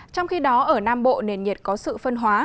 trong khi đó ở nam bộ nền nhiệt có sự phân hóa